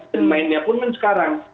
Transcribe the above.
dan mainnya pun sekarang